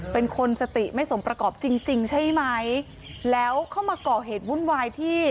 เป็นคนสติไม่สมประกอบจริงจริงใช่ไหมแล้วเข้ามาก่อเหตุวุ่นวายที่